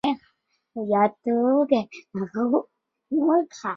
长管毛管蚜为毛管蚜科毛管蚜属下的一个种。